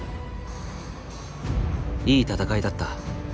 「いい戦いだった」